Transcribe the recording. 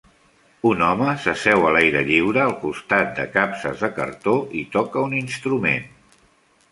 Un home s'asseu a l'aire lliure al costat de capses de cartó i toca un instrument.